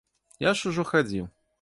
Я ж ужо хадзіў.